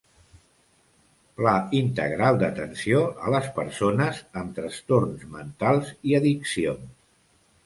Pla integral d'atenció a les persones amb trastorns mentals i addiccions.